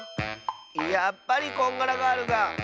やっぱりこんがらガールが。